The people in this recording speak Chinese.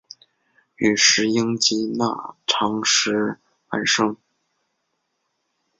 与石英及钠长石伴生。